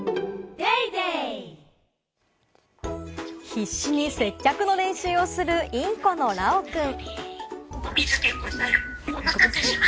必死に接客の練習をするインコのラオくん。